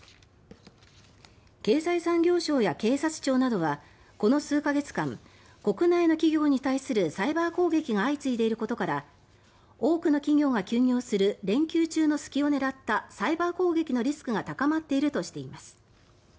経済産業省や警察庁などはこの数か月間国内の企業に対するサイバー攻撃が相次いでいることから多くの企業が休業する連休中の隙を狙ったサイバー攻撃のリスクが高まっているとしています。